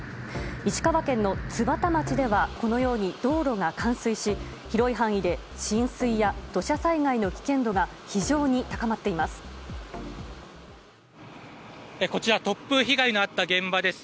石川県の津幡町ではこのように道路が冠水し広い範囲で浸水や土砂災害の危険度が突風被害のあった現場です。